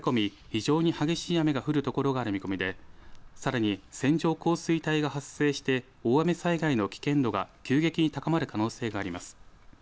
非常に激しい雨が降るところがある見込みでさらに線状降水帯が発生して大雨災害の危険度が急激に高まる可能性があります。